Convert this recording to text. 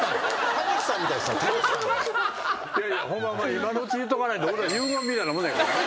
今のうちに言うとかないと遺言みたいなもんやからね。